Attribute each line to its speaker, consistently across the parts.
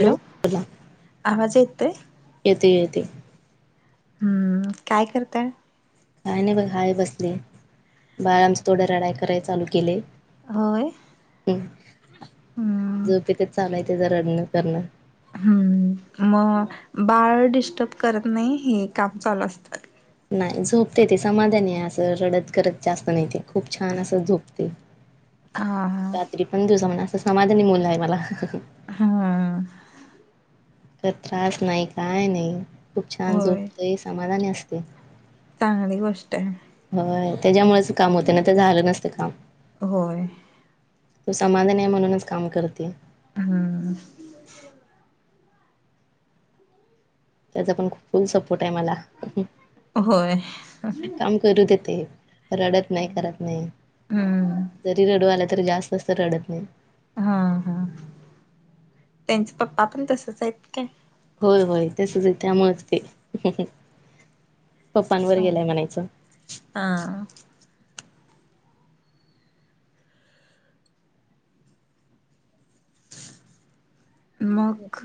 Speaker 1: Hello? बोला,
Speaker 2: आवाज येतोय
Speaker 1: येते येते.
Speaker 2: हम्म! काय करताय?
Speaker 1: काय नाही बघ हाय बसले, बाळ आमच थोड् रडाय कराय चालू केलय.
Speaker 2: होय. हम्म
Speaker 1: झोपेतच चालय तेच रडन करणं.
Speaker 2: हम्! मग बाळ डिस्टर्ब करत नाही, हे काम चालू असतात
Speaker 1: नाही झोपते ते, समाधानी आहे, असं रडत करत जास्त नाही, ते खूप छान असं झोपते.
Speaker 2: [inaudible]
Speaker 1: रात्री पण दिवसा पण, असं समाधानी मुलं आहे मला.
Speaker 2: हा.
Speaker 1: त्रास नाही काय नाही, खूप छान
Speaker 2: होय
Speaker 1: झोपतेही समाधानी असतय.
Speaker 2: चांगली गोष्ट आहे.
Speaker 1: होय, त्याच्यामुळेच काम होतय, नाहीतर झालं नसतं काम.
Speaker 2: होय.
Speaker 1: तो समाधान आहे म्हणूनच काम करते.
Speaker 2: हम्म!
Speaker 1: त्याचा पण खूप फुल सपोर्ट आहे मला.
Speaker 2: होय.
Speaker 1: काम करू देतय, रडत नाही, करत नाही,
Speaker 2: हम्म
Speaker 1: जरी रडू आल तर जास्त रडत नाही.
Speaker 2: हा हा, त्यांचे पप्पा पण तसच आहेत काय?
Speaker 1: होय होय, तसच आहेत, त्यामुळेच ते, पप्पांवर
Speaker 2: हा
Speaker 1: गेलाय म्हणायचं.
Speaker 2: हा. मग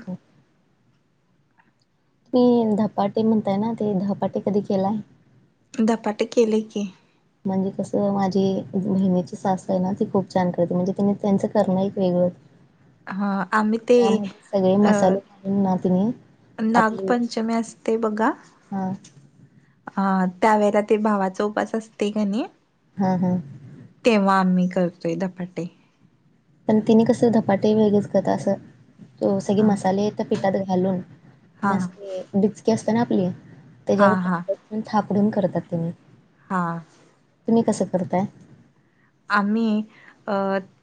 Speaker 1: मी धपाटे म्हणतय ना, ते धपाटे कधी केलाय?
Speaker 2: धपाट केले की
Speaker 1: म्हणजे कसं, माझी महिन्याची सास आहे ना, ती खूप छान करते, म्हणजे तने त्यांचं करणं एक वेगळं
Speaker 2: हा आम्ही ते
Speaker 1: मध्ये सगळे
Speaker 2: अ
Speaker 1: मसाले घालून ना तेनी
Speaker 2: नागपंचमी असते बघा
Speaker 1: हा.
Speaker 2: अ त्यावेेळेला ते भावाचा उपास असते का नाही
Speaker 1: हा हा.
Speaker 2: तेव्हा आम्ही करतोय, धपाटे.
Speaker 1: पण तिने कस धपाटे वेगळेच करतात, असं सगळे
Speaker 2: हा
Speaker 1: मसाले त्या पिठात घालून
Speaker 2: हा
Speaker 1: नसते डीचकी असते ना आपली,
Speaker 2: हा हा
Speaker 1: त्याच्यावर थापडून करतात. त्यांने
Speaker 2: हा.
Speaker 1: तुम्ही कसं करताय?
Speaker 2: आम्ही अ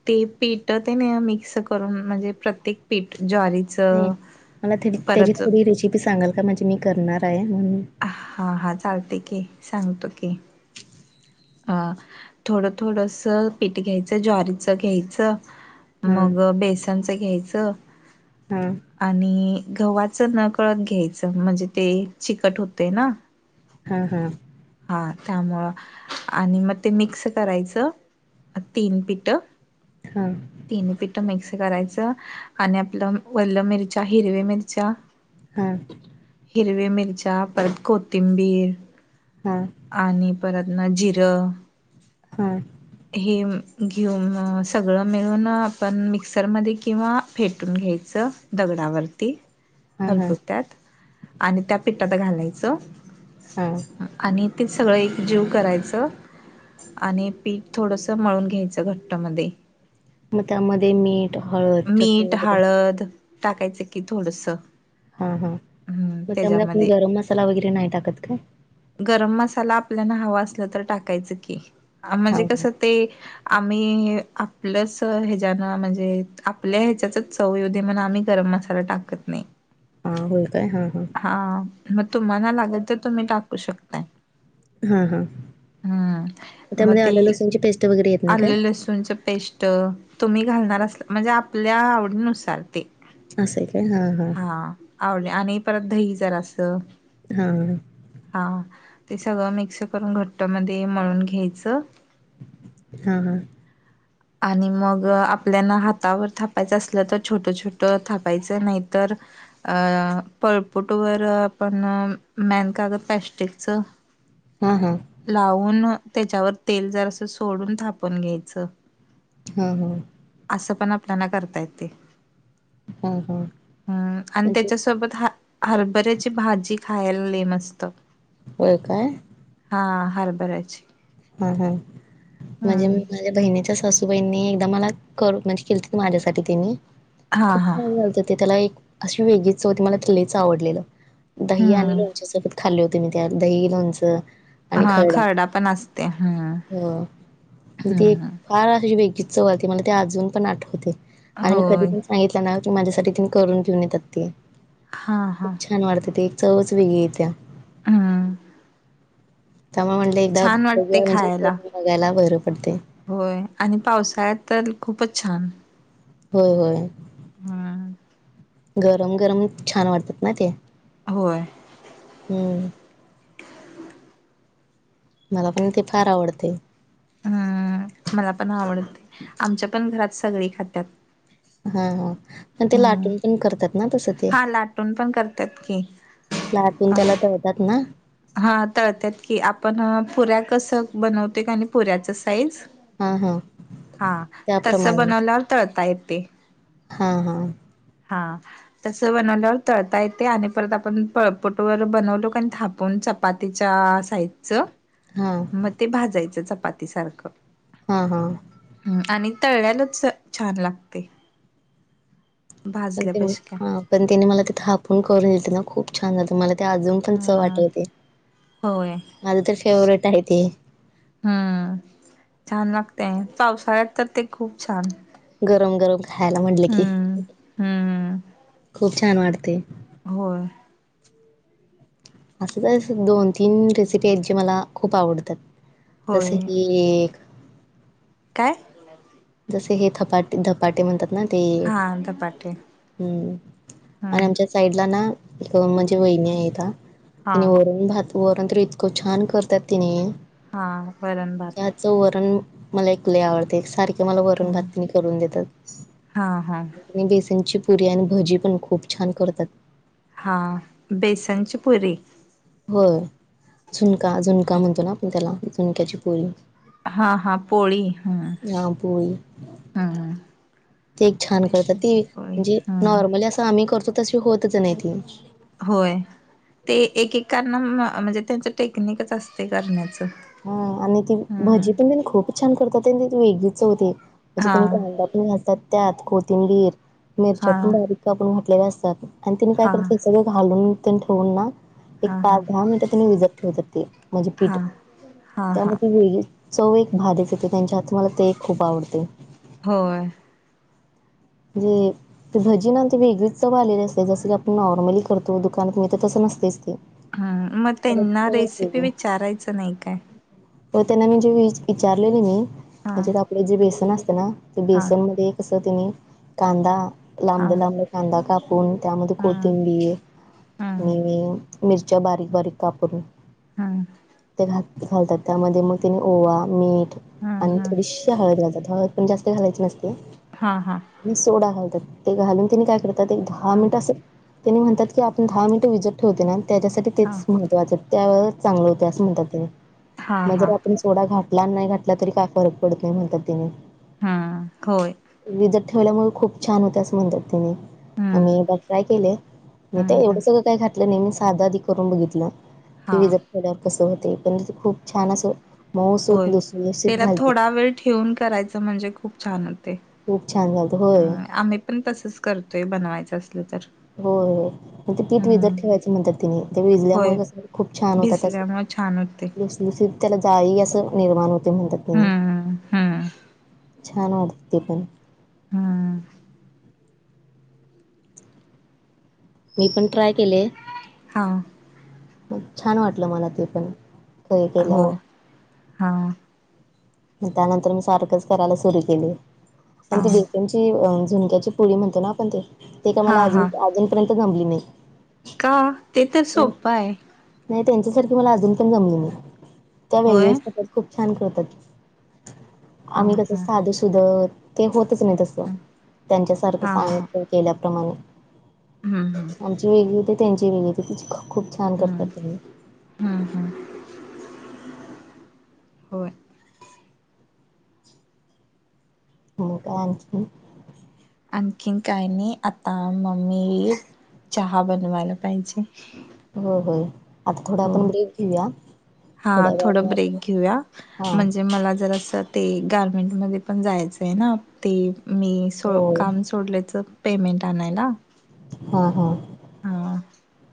Speaker 2: ते पीठ तेने मिक्स करून, म्हणजे प्रत्येक पीठ ज्वारीत
Speaker 1: नाही मला थ त्याची थोडी रेसिपी सांगाल का? म्हणजे मी करणार आहे म्हणून
Speaker 2: हा हा, चालतय की, सांगतो की. अं... थोडं थोडसं पीठ घ्यायचं... ज्वारीच घ्यायचं
Speaker 1: हां
Speaker 2: मग बेसनचं घ्यायचं
Speaker 1: हूं.
Speaker 2: आणि गव्हाचं न कळत घ्यायचं... म्हणजे ते चिकट होते ना?
Speaker 1: हूं हूं.
Speaker 2: हा त्यामुळं... आणि मग ते मिक्स करायचं तीन पिटं.
Speaker 1: हा.
Speaker 2: तीन पिठं मिक्स करायचं... आणि आपलं वल्लं मिरच्या हिरव्या मिरच्या
Speaker 1: हूं.
Speaker 2: हिरव्या मिरच्या... परत कोथिंबीर
Speaker 1: हूं.
Speaker 2: आणि परत ना जिरं
Speaker 1: हूं.
Speaker 2: हे... घेऊन... सगळं मिळून... आपण मिक्सरमध्ये किंवा फेटून घ्यायचं... दगडावरती
Speaker 1: हां हां
Speaker 2: खळबत्यात आणि त्या पिठात घालायचं
Speaker 1: हा.
Speaker 2: आणि ते सगळं एक जीव करायचं आणि पीठ थोडसं मळून घ्यायचं... घट्ट मध्ये
Speaker 1: मग त्यामध्ये मीठ हळद, चटणी
Speaker 2: मीठ,
Speaker 1: वगैरे
Speaker 2: हळद टाकायचं की थोडसं
Speaker 1: हा हा... मग त्यामध्ये आपण गरम मसाला वगैरे नाही टाकत काय?
Speaker 2: गरम मसाला आपल्यांना हवा असलं तर टाकायचं की...
Speaker 1: हां
Speaker 2: म्हणजे
Speaker 1: हां
Speaker 2: कसं ते आम्ही... आपलंच हेच्यानं म्हणजे आपल्या ह्याच्याचच चव येऊ दे म्हणून... आपण गरम मसाला टाकत नाई.
Speaker 1: हा होय काय... हा हा.
Speaker 2: हा... मग तुम्हाला लागल, तर तुम्ही टाकू शकताय.
Speaker 1: हा हा...
Speaker 2: हम्म मग
Speaker 1: त्यामध्ये
Speaker 2: ते
Speaker 1: आलं लसूनची पेस्ट वगैरे येत नाही काय?
Speaker 2: आलं लसूणची पेस्ट... तुम्ही घालणार असाल... म्हणजे आपल्या आवडीनुसार ते
Speaker 1: असं ए काय... हा हा
Speaker 2: आवड्या आणि परत दही जरासं.
Speaker 1: हा हा.
Speaker 2: हा ते सगळं मिक्स करून... घट्ट मध्ये मळून घ्यायचं
Speaker 1: हा हा.
Speaker 2: आणि मग... आपल्यांना हातावर थापायचं असलं तर छोटं छोट थापायचं... नाहीतर अं... पळपूटवर आपण... मॅन कागद पॅस्टिकचं [unintelligible]
Speaker 1: हूं हूं.
Speaker 2: लावून... त्याच्यावर तेल जरासं सोडून... थापून घ्यायचं
Speaker 1: हा हा.
Speaker 2: आसं पण आपल्यांना करता येतय...
Speaker 1: हां हां
Speaker 2: हूं... आणि
Speaker 1: म्हणजे
Speaker 2: त्याच्या सो सोबत हा... हरभऱ्याची भाजी खायला लय मस्त
Speaker 1: व्हय काय?
Speaker 2: हा... हरभऱ्याची.
Speaker 1: ह हम्म म्हणजे मी
Speaker 2: हम्म
Speaker 1: माझ्या बहिणीच्या सासू बईंनी एकदा मला कर म्हणजे केलतीत माझ्यासाठी तेनी.
Speaker 2: हा
Speaker 1: खूप
Speaker 2: हा
Speaker 1: छान झालत ते त्याला एक अशी वेगळीच चव होती मला त लईच आवडलेलं. दही आणि
Speaker 2: हम्म
Speaker 1: लोणच्या सोबत खाल्ले होते मी त्या दही लोणचं - -
Speaker 2: हा खरडा पण असते हम्म.
Speaker 1: हो म्हणजे त एक
Speaker 2: हम्म
Speaker 1: फार अशी वेगळीच चव आलती मला ते अजून पण आठवते. आणि मी कधी
Speaker 2: होय
Speaker 1: पण सांगितलं नाव की माझ्यासाठी त करून घेऊन येतात ते.
Speaker 2: हा हा
Speaker 1: खूप छान वाटते ते एक चवच वेगळी येत्या.
Speaker 2: हम्म
Speaker 1: त्यामुळ म्हणलं एकदा
Speaker 2: छान वाटते
Speaker 1: बघुया म्हणजे
Speaker 2: खायला
Speaker 1: [unintelligible] बघायला बर पडतेय.
Speaker 2: होय आणि पावसाळ्यात तर खूपच छान.
Speaker 1: होय होय.
Speaker 2: हा.
Speaker 1: गरम गरम च छान वाटतात ना ते.
Speaker 2: होय.
Speaker 1: हम्म. मला पण ते फार आवडतय.
Speaker 2: हा मला पण आवडते आमच्या पण घरात सगळी खात्यात.
Speaker 1: हां हां पण ते
Speaker 2: हम्म
Speaker 1: लाटून पण करतात ना तस.
Speaker 2: हा लाटून पण करत्यात की.
Speaker 1: लाटून
Speaker 2: अ
Speaker 1: त्याला तळत्यात ना?
Speaker 2: हा तळत्यात की आपण पुऱ्या कस बनवतोय का आणि पुऱ्याच साईज
Speaker 1: हा हा.
Speaker 2: हा तस बनवल्यावर तळता येतेय.
Speaker 1: हां हां.
Speaker 2: हा. तस बनवल्यावर तळता येतेय आणि परत आपण पळपुट वर बनवलो कणी थापून चप चपातीच्या साइजचं
Speaker 1: हा.
Speaker 2: म ते भाजायचं चपाती सारखं.
Speaker 1: हा हा.
Speaker 2: ह आणि तळल्यालच छान लागतय.
Speaker 1: पण ते नी हा पण त्यानी मला ते थापून करून दीलतीत ना खूप छान झालत मला ते अजून पण चव
Speaker 2: हा
Speaker 1: आटवते
Speaker 2: होय
Speaker 1: माझ तर फेवरेट आहे ते.
Speaker 2: हा छान लागतेय पावसाळ्यात तर ते खूप छान
Speaker 1: गरम गरम खायला म्हटले की
Speaker 2: हम्म हम्म
Speaker 1: खूप छान वाटतय.
Speaker 2: होय.
Speaker 1: असंचाय स दोन तीन रेसिपी आहेत जे मला खूप आवडतात जस
Speaker 2: होय
Speaker 1: की एक
Speaker 2: काय?
Speaker 1: जसे हे थपाटे धपाटे म्हणतात ना ते
Speaker 2: हा धपाटे
Speaker 1: हम्. आणि
Speaker 2: हम्म
Speaker 1: आमच्या साइडला ना एक म्हणजे वहिणी आहेता
Speaker 2: हा
Speaker 1: तिने वरन भात वरण तर इतकं छान करतात त्यांनी.
Speaker 2: हा वरण भात.
Speaker 1: च वरण मला एक लई आवडतय सारख ते मला वरण भात त्यानी करून देतात.
Speaker 2: हा हा
Speaker 1: बेसनची पुरी आणि भजी पण खूप छान करतात
Speaker 2: हां बेसनची पुरी
Speaker 1: होय झुणका झुणका म्हणतो ना आपण त्याला झुणक्याची पोरी
Speaker 2: हा हा पोळी हम्म
Speaker 1: हा पोळी
Speaker 2: हम्म
Speaker 1: ते एक छान करतात
Speaker 2: बेसनची
Speaker 1: ती
Speaker 2: पोळी
Speaker 1: म्हणजे
Speaker 2: हम्म
Speaker 1: नॉर्मली असं आम्ही करतो तशी होतच नाही ती
Speaker 2: होय ते एकेकांना म्हणजे त्यांच टेक्निकच असते करण्याचं
Speaker 1: ह आणि ती
Speaker 2: हम्म
Speaker 1: भजी पण त्यांनी खूप छान करतात त्यांनी ती वेगळीच होती म्हणजे
Speaker 2: हा
Speaker 1: त्यांनी कांदा घतात त्यात कोथिंबीर मिरच्या
Speaker 2: हा
Speaker 1: पण बारीक का आपण घटलेल्या असतात आणि तिने काय
Speaker 2: हा
Speaker 1: करत सगळं घालून ठेवून ना
Speaker 2: हा
Speaker 1: एक
Speaker 2: हा
Speaker 1: पाच दहा मिनिटात त्यां विजत ठेवतात ते म्हणजे पीठ
Speaker 2: हा हा
Speaker 1: त्यामध्ये
Speaker 2: हा
Speaker 1: ती वेगळी चव एक भाधच येते त्यांच्या हात मला ते खूप आवडते
Speaker 2: होय
Speaker 1: जे ते भजी ना ते वेगळीच चव आलेली असते जस की आपण नॉर्मली करतो दुकानात मी तर तसं नसतेच ते
Speaker 2: हम मग
Speaker 1: त्याला
Speaker 2: त्यांना
Speaker 1: चवच
Speaker 2: रेसिपी
Speaker 1: वेगळी
Speaker 2: विचारायचं नाही काय
Speaker 1: हो त्यांना मी जे वि विचारलेले मी
Speaker 2: हा
Speaker 1: म्हणजेकडे जे बेसन असते ना
Speaker 2: हा
Speaker 1: बेसन मध्ये कस तिने कांदा
Speaker 2: हा
Speaker 1: लांब लांब कांदा काप कापून त्यामध्ये
Speaker 2: हम्म
Speaker 1: कोथिंबीर
Speaker 2: हम्म
Speaker 1: आणि मिरच्या बारीक बारीक कापून
Speaker 2: हा
Speaker 1: ते घात घालतात त्यामध्ये मग त्याने ओवा मीठ
Speaker 2: हम्म
Speaker 1: आणि
Speaker 2: हम्म
Speaker 1: थोडी हळद घतात हळद पण जास्तालायची नसते
Speaker 2: हा हा
Speaker 1: सोडा घालतात ते घालून तिने काय करतात एक दहा
Speaker 2: हा
Speaker 1: मिनिट असं त्यां म्हणतात की आपण दहा मिनट विजत ठेवते ना त्याच्यासाठी
Speaker 2: हा
Speaker 1: तेच महत्वाचे त्या व चांगलं होत असं म्हणतात त्यां
Speaker 2: हा
Speaker 1: मग जर
Speaker 2: हा
Speaker 1: आपण थोडा घाला आणि नाही घाटला तरी काय फरक पडत नाही म्हणतात तिने
Speaker 2: हा होय
Speaker 1: विजत ठेवल्यामुळे खूप छान होत्या असं मंदिर ति
Speaker 2: हम्म
Speaker 1: मीदा ट्राय केले मी ते
Speaker 2: हम्म
Speaker 1: एवढं
Speaker 2: हम्म
Speaker 1: सगळं काय खात नेहमी साधा आधी करून बघितलं की
Speaker 2: हा
Speaker 1: विजडल्यावर कसं होते पण खूप छान अस
Speaker 2: होय त्याला थोडा वेळ ठेवून करायचं म्हणजे खूप छान होते
Speaker 1: खूप छान झाातं होय
Speaker 2: ह आम्ही पण तसंच करतोय बनवायचं असल तर
Speaker 1: हो ते पीठ विजत
Speaker 2: हम्म
Speaker 1: ठेवायचं म्हणतात तिने ते विजल्यामुळे
Speaker 2: होय
Speaker 1: कसं खूप छान होतात असं
Speaker 2: भिजल्यामुळे छान होते
Speaker 1: त त्याला जाई असं निर्माण होते म्हणतातने
Speaker 2: हम्म हम्म
Speaker 1: छान वाटते ते पण
Speaker 2: हम
Speaker 1: मी पण ट्राय केले
Speaker 2: हां
Speaker 1: म छान वाटलं मला ते पण खय
Speaker 2: हो
Speaker 1: केल्यावर
Speaker 2: हा
Speaker 1: त्यानंतर मी सारखंच करायला सुरु केली, आणि
Speaker 2: हा
Speaker 1: ती बऽ त्यांची झुणक्याची पुळी म्हणतो ना आपण ते, ते काय
Speaker 2: हा
Speaker 1: मला आजून,
Speaker 2: हा
Speaker 1: अजूनपर्यंत जमली नाही.
Speaker 2: का, ते तर सोप्पं आहे.
Speaker 1: नाही त्यांच्यासारखी मला अजून पण जमली नाही, त्या
Speaker 2: होय
Speaker 1: वेगळेचऽ खूप छान खेळतात,
Speaker 2: हा
Speaker 1: आम्ही कसं
Speaker 2: हा
Speaker 1: साधूसुध, ते होतच नाही तस त
Speaker 2: हा
Speaker 1: त्यांच्यासारखं
Speaker 2: हा
Speaker 1: सांगितलं केल्याप्रमाणे
Speaker 2: हूं हूं
Speaker 1: म्हणजे [unintelligible] खूप छान करतात तेनी
Speaker 2: हा हा होय
Speaker 1: हो काय आणखीन
Speaker 2: आणखीन काही नी आता मम्मी येईल चहा बनवायला पाहिजे.
Speaker 1: हो हो, आता थोडा
Speaker 2: हो
Speaker 1: आपण ब्रेक घेऊया.
Speaker 2: हा,
Speaker 1: थोड्या
Speaker 2: थोडं
Speaker 1: वेळाने
Speaker 2: ब्रेक
Speaker 1: आपण
Speaker 2: घेऊया,
Speaker 1: हा
Speaker 2: म्हणजे मला जरास ते गारमेंटमध्ये पण जायचंय ना, ते, मी सो
Speaker 1: हो
Speaker 2: काम सोडल्याचं पेमेंट आणायला.
Speaker 1: हो हो
Speaker 2: हां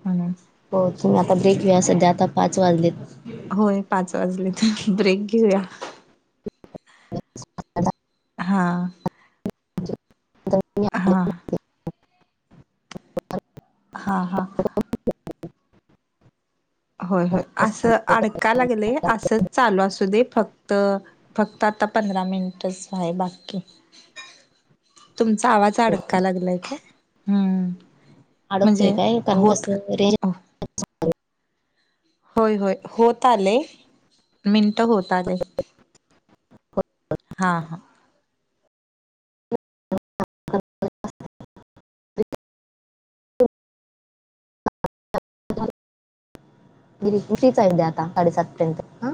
Speaker 2: म्हणून
Speaker 1: हो, तुम्ही आता ब्रेक घेवुया, सध्या आता पाच वाजलेत.
Speaker 2: होय, पाच वाजलेत, ब्रेक घेऊया.
Speaker 1: [unintelligible]
Speaker 2: हां, हा,
Speaker 1: [unintelligible]
Speaker 2: हा, हा, होय होय, असं अडका लागलय, असच चालू असू दे फक्त फक्त आता पंधरा मिनिटच हाय बाकी तुमचा आवाज अडका लागलाय का? हम्म
Speaker 1: अडकतोय,
Speaker 2: म्हणजे
Speaker 1: काय कारण
Speaker 2: होत
Speaker 1: कसं, रेंज
Speaker 2: [inaudible] होय होय, होत आलेय, मिनट होत आले. हा हा
Speaker 1: [unintelligible] गिरी [unintelligible] आता, साडेसातपर्यंत, ह